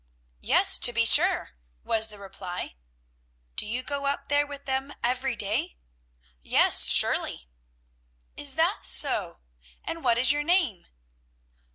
"Yes, to be sure!" was the reply. "Do you go up there with them every day?" "Yes, surely." "Is that so? and what is your name?"